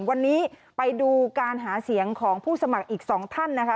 วันนี้ไปดูการหาเสียงของผู้สมัครอีก๒ท่านนะคะ